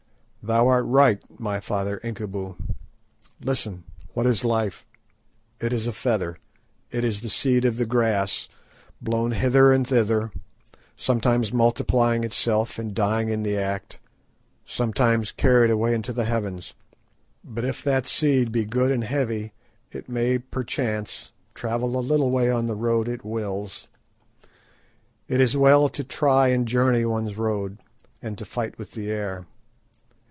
Thou art right, my father Incubu. Listen! what is life? It is a feather, it is the seed of the grass, blown hither and thither, sometimes multiplying itself and dying in the act, sometimes carried away into the heavens. But if that seed be good and heavy it may perchance travel a little way on the road it wills. It is well to try and journey one's road and to fight with the air.